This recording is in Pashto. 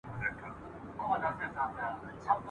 په هغه ګړي قیامت وو ما لیدلی ..